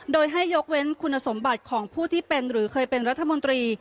โดยให้ยกเว้นคุณสมบัติของผู้ที่เป็นหรือเคยเป็นรัฐมนตรี